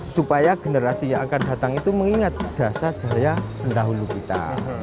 supaya generasi yang akan datang itu mengingat jasa jaya pendahulu kita